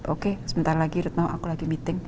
oke sebentar lagi retno aku lagi meeting